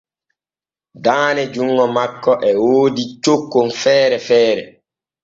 Daane junŋo makko e woodi cokkon feere feere.